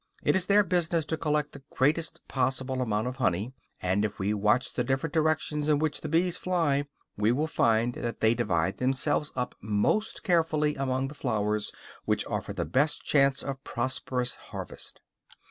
It is their business to collect the greatest possible amount of honey; and if we watch the different directions in which the bees fly, we will find that they divide themselves up most carefully among the flowers which offer the best chance of a prosperous harvest.